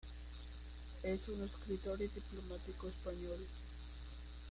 Es un escritor y diplomático español.